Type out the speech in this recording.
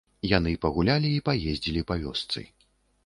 Яны пагулялі і паездзілі па вёсцы.